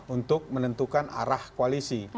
untuk menentukan arah koalisi